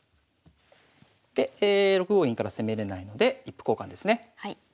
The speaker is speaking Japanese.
で６五銀から攻めれないので一歩交換ですね。